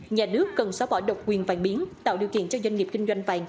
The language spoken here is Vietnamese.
nhà nước cần xóa bỏ độc quyền vàng biến tạo điều kiện cho doanh nghiệp kinh doanh vàng